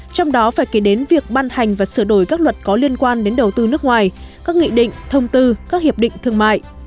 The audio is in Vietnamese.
trong đó phải kể đến việc ban hành và sửa đổi các luật có liên quan đến đầu tư nước ngoài các nghị định thông tư các hiệp định thương mại